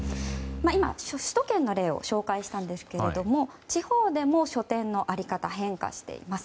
今、首都圏の例を紹介したんですが地方でも書店の在り方、変化しています。